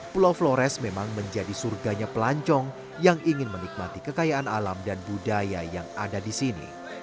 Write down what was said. pulau flores memang menjadi surganya pelancong yang ingin menikmati kekayaan alam dan budaya yang ada di sini